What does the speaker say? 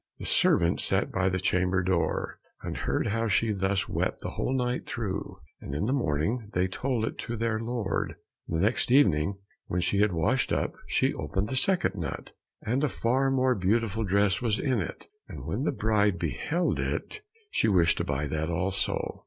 The servants sat by the chamber door, and heard how she thus wept the whole night through, and in the morning they told it to their lord. And the next evening when she had washed up, she opened the second nut, and a far more beautiful dress was within it, and when the bride beheld it, she wished to buy that also.